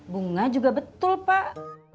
bunga juga betul pak